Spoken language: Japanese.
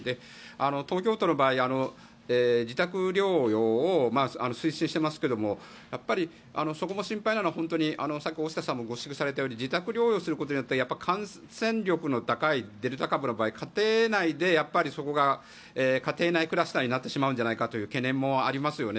東京都の場合自宅療養を推進していますがやっぱりそこも心配なのはさっき大下さんもご指摘されたように自宅療養することによって感染力の高いデルタ株の場合家庭内でそこが家庭内クラスターになってしまうんじゃないかという懸念もありますよね。